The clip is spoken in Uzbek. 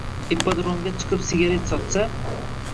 “Ippadrom”ga chiqib sigaret sotsa